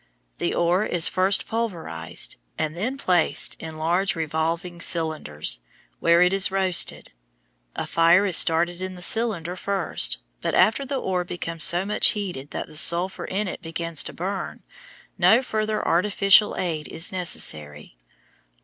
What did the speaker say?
The ore is first pulverized, and then placed in large revolving cylinders, where it is roasted. A fire is started in the cylinder at first, but after the ore becomes so much heated that the sulphur in it begins to burn, no further artificial aid is necessary.